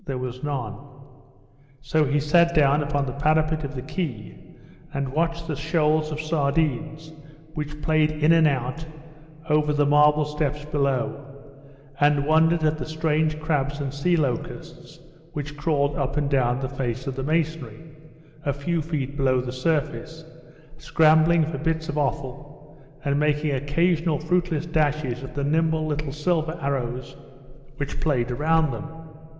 there was none. So he sat down upon the parapet of the quay, and watched the shoals of sardines which played in and out over the marble steps below, and wondered at the strange crabs and sea locusts which crawled up and down the face of the masonry, a few feet below the surface, scrambling for bits of offal, and making occasional fruitless dashes at the nimble little silver arrows which played round them.